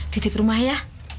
titip rumah ya